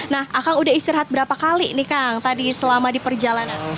nah akan udah istirahat berapa kali nih kang tadi selama di perjalanan